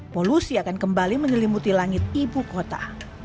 polusi akan kembali menyelimuti langit ibu kota